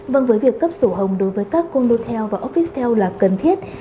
vâng với việc cấp sổ hồng đối với các condo theo và office theo là cần thiết